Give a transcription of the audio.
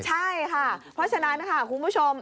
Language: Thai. ใช่ค่ะเพราะฉะนั้นค่ะคุณผู้ชม